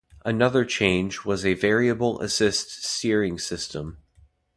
Another change was a variable-assist steering system.